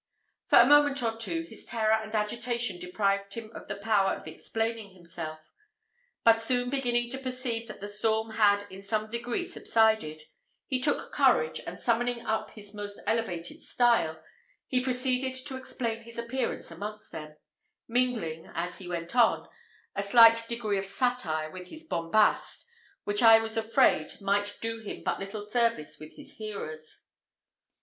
For a moment or two, his terror and agitation deprived him of the power of explaining himself; but soon beginning to perceive that the storm had in some degree subsided, he took courage, and summoning up his most elevated style, he proceeded to explain his appearance amongst them, mingling, as he went on, a slight degree of satire with his bombast, which I was afraid might do him but little service with his hearers.